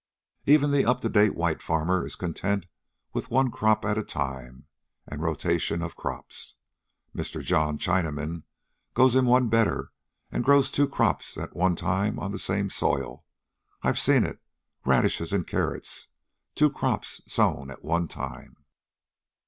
Even the up to date white farmer is content with one crop at a time and rotation of crops. Mr. John Chinaman goes him one better, and grows two crops at one time on the same soil. I've seen it radishes and carrots, two crops, sown at one time."